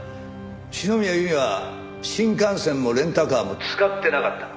篠宮由美は新幹線もレンタカーも使ってなかった。